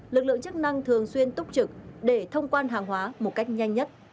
lực lượng chức năng thường xuyên túc trực để thông quan hàng hóa một cách nhanh nhất